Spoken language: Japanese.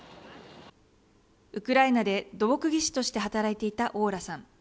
ウクライナで土木技師として働いていたオーラさん。